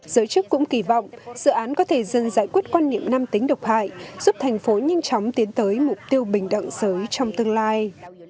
giới chức cũng kỳ vọng dự án có thể dần giải quyết quan niệm nam tính độc hại giúp thành phố nhanh chóng tiến tới mục tiêu bình đẳng giới trong tương lai